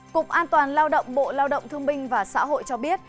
cục an toàn lao động bộ lao động thương binh và xã hội cho biết